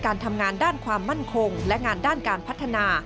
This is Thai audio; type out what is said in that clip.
การทำงานด้านความมั่นคงและงานด้านการพัฒนา